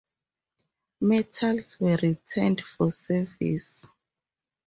Metals were returned for service.